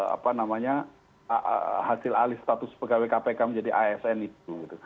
apa namanya hasil alih status pegawai kpk menjadi asn itu